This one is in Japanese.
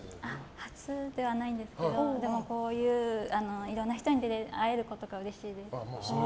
初ではないんですけどこういういろんな人に会えることがうれしいです。